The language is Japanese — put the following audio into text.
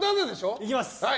いきます。